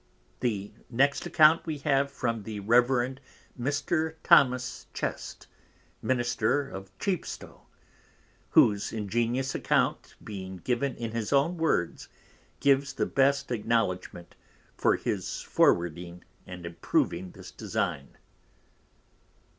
The next Account we have from the Reverend Mr. Tho. Chest, Minister of Chepstow, _whose Ingenious account being given in his own Words, gives the best Acknowledgement for his forwarding and approving this design.